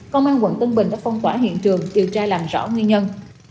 công an quận tân bình đã phong tỏa hiện trường điều tra làm rõ nguyên nhân